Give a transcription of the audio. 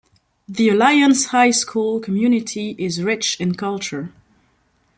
The Alliance High School community is rich in culture.